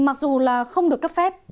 mặc dù là không được cấp phép